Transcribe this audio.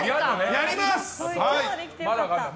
やります！